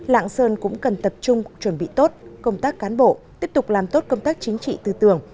lạng sơn cũng cần tập trung chuẩn bị tốt công tác cán bộ tiếp tục làm tốt công tác chính trị tư tưởng